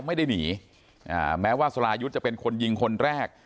ไม่ได้หนีอ่าแม้ว่าจะเป็นคนยิงคนแรก